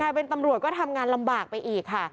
ใคร้เป็นตำรวจก็ทำงานลำบากไปอีก